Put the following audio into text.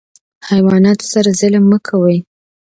حیواناتو سره ظلم مه کوئ